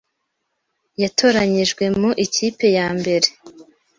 Yatoranyijwe mu ikipe ya mbere